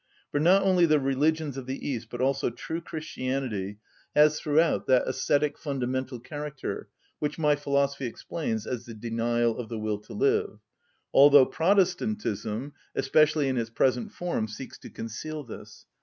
For not only the religions of the East, but also true Christianity, has throughout that ascetic fundamental character which my philosophy explains as the denial of the will to live; although Protestantism, especially in its present form, seeks to conceal this.